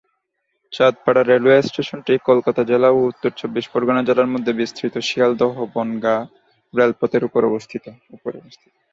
Chandpara railway স্টেশনটি কলকাতা জেলা ও উত্তর চব্বিশ পরগণা জেলার মধ্যে বিস্তৃত শিয়ালদহ বনগাঁ রেলপথের উপরে অবস্থিত।